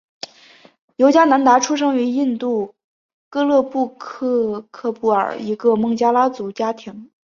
尤迦南达出生于印度戈勒克布尔一个孟加拉族家庭。